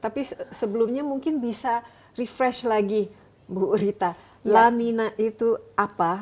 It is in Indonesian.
tapi sebelumnya mungkin bisa refresh lagi bu rita lanina itu apa